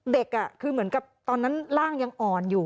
เด็กคือเหมือนกับตอนนั้นร่างยังอ่อนอยู่